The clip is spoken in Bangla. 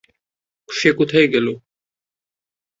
সে কোথায় গেল?